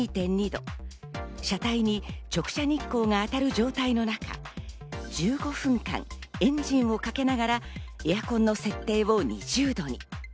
車体に直射日光が当たる状態の中、１５分間、エンジンをかけながらエアコンの設定を２０度に。